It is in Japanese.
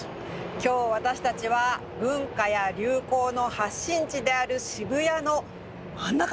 今日私たちは文化や流行の発信地である渋谷の真ん中にいます。